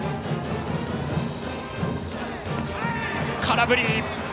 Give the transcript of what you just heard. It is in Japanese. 空振り！